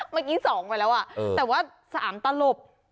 เมื่อกี้๒ไปแล้วแต่ว่า๓ตลบ